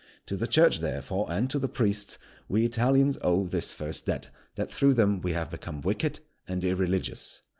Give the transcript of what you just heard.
To the Church, therefore, and to the priests, we Italians owe this first debt, that through them we have become wicked and irreligious.